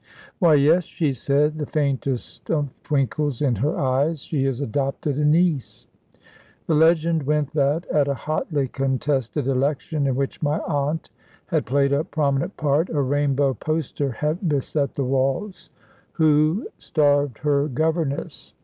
"Why, yes," she said, the faintest of twinkles in her eyes, "she has adopted a niece." The legend went that, at a hotly contested election in which my aunt had played a prominent part, a rainbow poster had beset the walls. "Who starved her governess?"